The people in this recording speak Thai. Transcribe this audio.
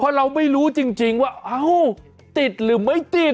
เพราะเราไม่รู้จริงว่าเอ้าติดหรือไม่ติด